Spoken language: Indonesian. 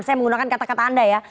saya menggunakan kata kata anda ya